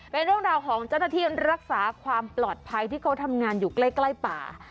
เป็นเรื่องราวของเจ้าหน้าที่รักษาความปลอดภัยที่เขาทำงานอยู่ใกล้ป่า